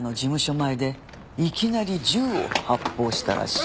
前でいきなり銃を発砲したらしい。